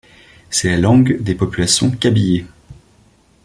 C'est la langue des populations Kabiyè.